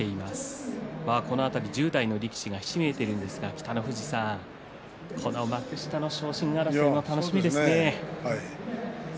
この辺り１０代の力士がひしめいていますが幕下の昇進争いも楽しみですね。